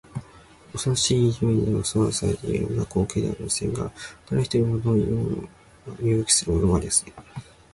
おそろしい夢にでもうなされているような光景ではありませんか。だれひとり、ものをいうものもなければ身動きするものもありません。